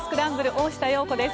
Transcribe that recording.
大下容子です。